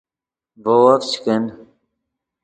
ڤے وف چے کن